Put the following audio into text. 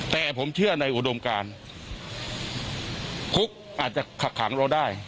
แต่ผมเชื่อในอุดมการคุกอาจจะขักขังเราได้